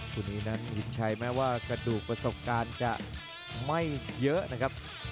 คู่นี้นั้นหินชัยแม้ว่ากระดูกประสบการณ์จะไม่เยอะนะครับ